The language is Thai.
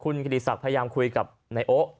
คุณคิดิสัครพยายามคุยกับคุณโอก